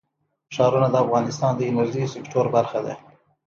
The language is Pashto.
ښارونه د افغانستان د انرژۍ سکتور برخه ده.